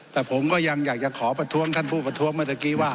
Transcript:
แต่ผมก็ยังอยากจะขอประท้วงท่านผู้ประท้วงเมื่อตะกี้ว่า